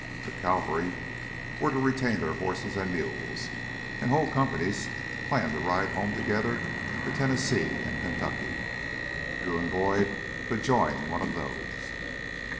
The cavalry were to retain their horses and mules, and whole companies planned to ride home together to Tennessee and Kentucky. Drew and Boyd could join one of those.